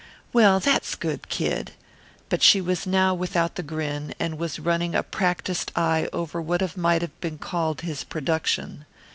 "Well, that's good, Kid." But she was now without the grin, and was running a practised eye over what might have been called his production.